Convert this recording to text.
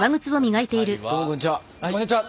こんにちは！